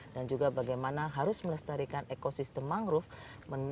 dan juga bagaimana harus melestarikan ekosistem mangrove